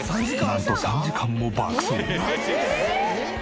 なんと３時間も爆走。